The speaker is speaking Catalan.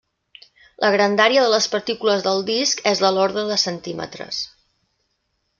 La grandària de les partícules del disc és de l'ordre de centímetres.